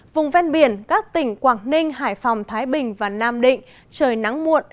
vùng ven biển các tỉnh quảng ninh hải phòng thái bình và nam định trời nắng muộn